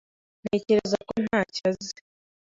Ntekereza ko ntacyo azi.